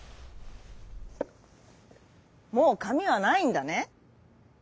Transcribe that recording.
「もうかみはないんだね？